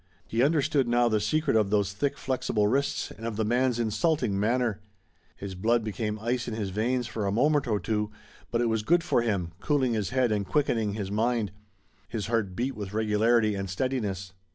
He understood now the secret of those thick flexible wrists and of the man's insulting manner. His blood became ice in his veins for a moment or two, but it was good for him, cooling his head and quickening his mind. His heart beat with regularity and steadiness.